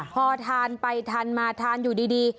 พอทานไปทานมาทานอยู่ดี